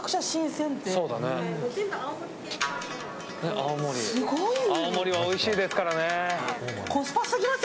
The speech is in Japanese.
青森はおいしいですからね。